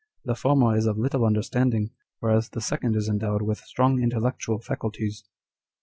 The former is of little understanding, whereas the second is endowed with strong intellectual faculties."